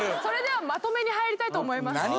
それではまとめに入りたいと思います。